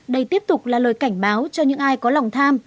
đây tiếp tục là lời cảnh báo cho những ai có lòng tham